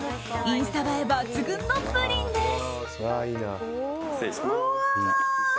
インスタ映え抜群のプリンです。